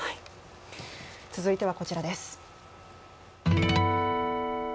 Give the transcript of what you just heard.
続いてはこちらです。